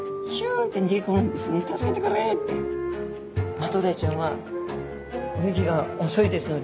マトウダイちゃんは泳ぎが遅いですので。